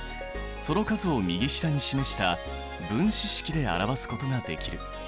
その数を右下に示した分子式で表すことができる。